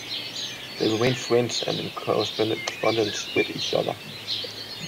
They remained friends and in correspondence with each other.